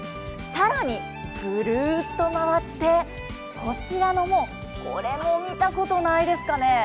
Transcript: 更に、ぐるっと回って、こちらの門も見たことないですかね？